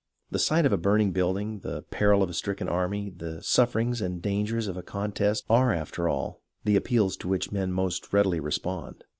The sight of a burning build ing, the peril of a stricken army, the sufferings and dan gers of a contest, are after all the appeals to which men most readily respond.